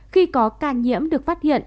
khi có ca nhiễm được phát hiện